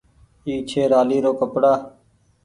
اي ڇي رآلي رو ڪپڙآ۔